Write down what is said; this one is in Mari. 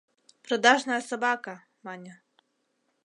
«Продажная собака!» — мане...